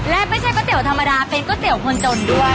และไม่ใช่ก๋วยเตี๋ยวธรรมดาเป็นก๋วยเตี๋ยวคนจนด้วย